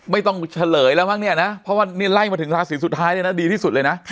เฉลยแล้วมั้งเนี่ยนะเพราะว่านี่ไล่มาถึงราศีสุดท้ายเลยนะดีที่สุดเลยนะ